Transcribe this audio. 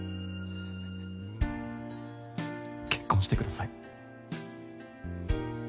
結婚してください。